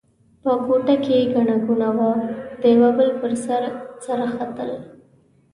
په کوټه کې ګڼه ګوڼه وه؛ د یوه بل پر سر سره ختل.